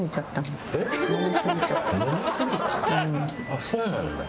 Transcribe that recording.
あっそうなんだ。